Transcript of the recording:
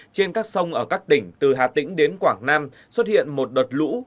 trên các sông ở các tỉnh từ hà tĩnh đến quảng nam xuất hiện một đợt lũ